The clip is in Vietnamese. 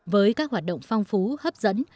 với các hoạt động phong phú hấp dẫn